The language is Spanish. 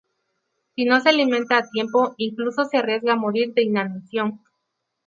Si no se alimenta a tiempo, incluso se arriesga a morir de "inanición".